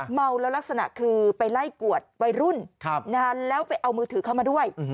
เมาแล้วลักษณะคือไปไล่กวดวัยรุ่นแล้วไปเอามือถือเข้ามาด้วย